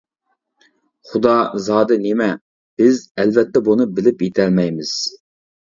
خۇدا زادى نېمە، بىز ئەلۋەتتە بۇنى بىلىپ يېتەلمەيمىز.